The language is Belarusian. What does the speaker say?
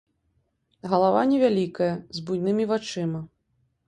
Галава невялікая, з буйнымі вачыма.